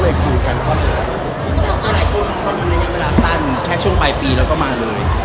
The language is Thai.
หลายคนมันระยะเวลาสั้นแค่ช่วงปลายปีแล้วก็มาเลย